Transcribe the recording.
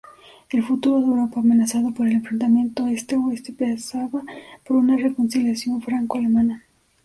El futuro de Europa, amenazado por el enfrentamiento Este-Oeste, pasaba por una reconciliación franco-alemana.